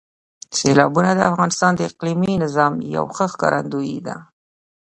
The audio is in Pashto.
سیلابونه د افغانستان د اقلیمي نظام یو ښه ښکارندوی ده.